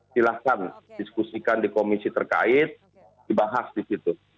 silahkan diskusikan di komisi terkait dibahas di situ